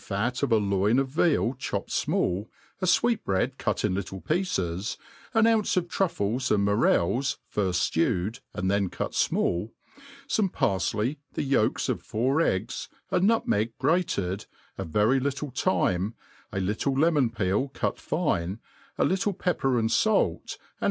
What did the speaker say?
fat of a loin of veal chop ped fmall, a fweetbread cut in little pieces, an ounce of truffles and morels firft ftewed and then cut fmall, fome parfley, the yolks of four eggs, a nutmeg grated, a very little thyme, ^ little lemon peel cut line, a little pepper and fait, and.